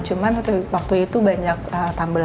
cuman waktu itu banyak tumble